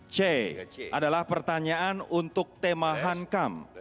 c adalah pertanyaan untuk tema hankam